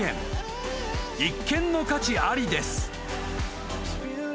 ［一見の価値ありです］